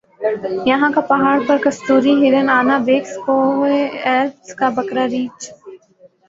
یَہاں کا پہاڑ پر کستوری ہرن آنا بیکس کوہ ایلپس کا بکرا ریچھ